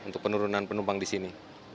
dan penumpang di sini